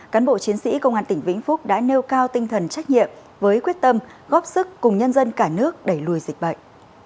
cán bộ chiến sĩ công an tỉnh vĩnh phúc đã nêu cao tinh thần trách nhiệm với quyết tâm góp sức cùng nhân dân cả nước đẩy lùi dịch bệnh